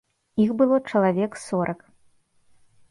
Іх было чалавек сорак.